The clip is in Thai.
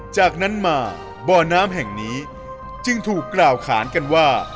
จากนั้นมาบ่อน้ำแห่งนี้จึงถูกกล่าวขานกันว่า